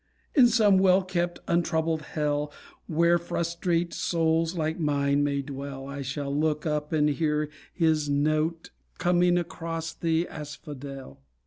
In some well kept untroubled hell Where frustrate souls like mine may dwell, I shall look up and hear his note Coming across the asphodel.